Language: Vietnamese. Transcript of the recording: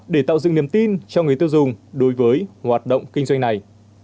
để tạo dựng niềm tin cho người tiêu dùng đối với hoạt động kinh doanh này